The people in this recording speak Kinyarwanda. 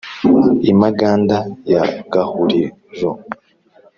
i maganda ya gahuriro